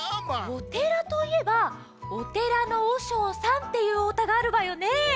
おてらといえば「お寺のおしょうさん」っていうおうたがあるわよね。